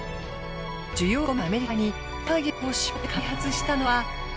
需要が見込めるアメリカにターゲットを絞って開発したのは。